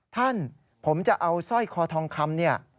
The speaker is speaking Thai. ท่านผมจะเอาสร้อยคอทองคำ